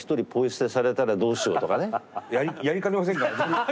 やりかねませんからね